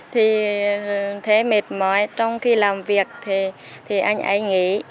thì thấy mệt mỏi trong khi làm việc thì anh ấy